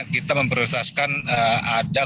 kita memprioritaskan ada